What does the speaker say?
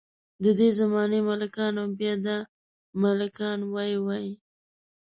ددې زمانې ملکان او بیا دا ملکان وۍ وۍ.